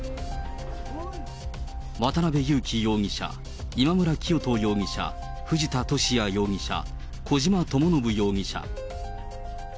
渡辺優樹容疑者、今村磨人容疑者、藤田聖也容疑者、小島智信容疑者。